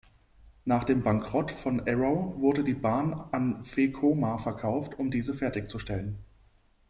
Nach dem Bankrott von Arrow wurde die Bahn an Vekoma verkauft um diese fertigzustellen.